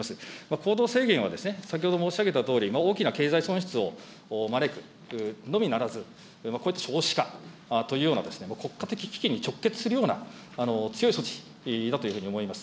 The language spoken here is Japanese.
行動制限は先ほど申し上げたとおり大きな経済損失を招くのみならず、こういった少子化というような、国家的危機に直結するような強い措置だというふうに思います。